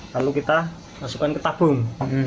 lalu kita masukkan ke tabung